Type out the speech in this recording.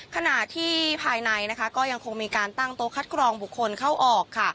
ขณะที่ภายในนะคะก็ยังคงมีการตั้งโต๊คัดกรองบุคคลเข้าออกค่ะ